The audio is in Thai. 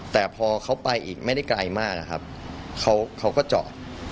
แต่พอเขาไปอีกไม่ได้ไกลมากนะครับเขาก็จอด